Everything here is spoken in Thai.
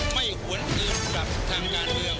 ไม่หวนอื่นกับทางงานเดียว